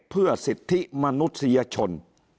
เพื่อสิทธิมนุษยชน